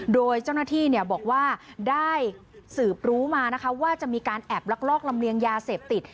โดยเจ้าหน้าที่บอกว่าได้สืบรู้มานะคะว่าจะมีการแอบลักลอบลำเลียงยาเสพติด